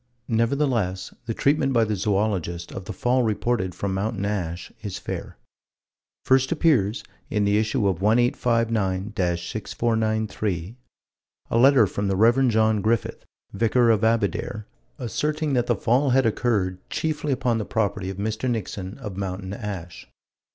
Nevertheless, the treatment by the Zoologist of the fall reported from Mountain Ash is fair. First appears, in the issue of 1859 6493, a letter from the Rev. John Griffith, Vicar of Abedare, asserting that the fall had occurred, chiefly upon the property of Mr. Nixon, of Mountain Ash.